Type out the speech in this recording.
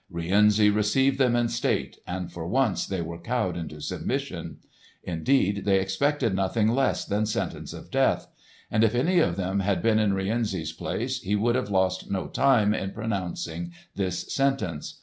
Rienzi received them in state, and for once they were cowed into submission. Indeed, they expected nothing less than sentence of death; and if any of them had been in Rienzi's place he would have lost no time in pronouncing this sentence.